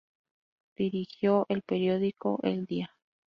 Dirigió el periódico El Día.